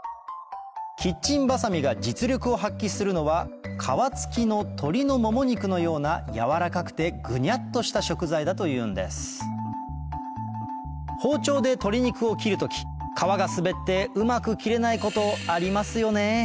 キッチンバサミが実力を発揮するのは皮付きの鶏のもも肉のような軟らかいぐにゃっとした食材だというんです包丁で鶏肉を切る時皮が滑ってうまく切れないことありますよね